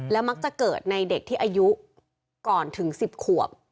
มักจะเกิดในเด็กที่อายุก่อนถึง๑๐ขวบ